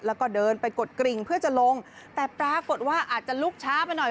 แล้วก็เดินไปกดกริ่งเพื่อจะลงแต่ปรากฏว่าอาจจะลุกช้าไปหน่อย